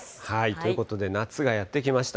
ということで、夏がやって来ました。